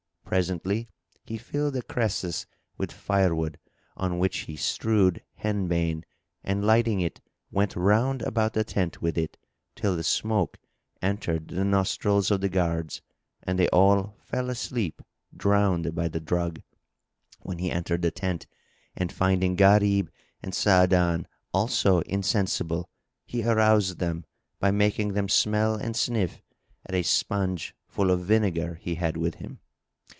Presently he filled a cresset with firewood, on which he strewed henbane, and lighting it, went round about the tent with it, till the smoke entered the nostrils of the guards, and they all fell asleep drowned by the drug; when he entered the tent and finding Gharib and Sa'adan also insensible he aroused them by making them smell and sniff at a sponge full of vinegar he had with him.